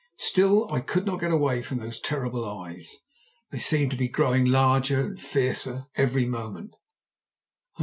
Still I could not get away from those terrible eyes. They seemed to be growing larger and fiercer every moment.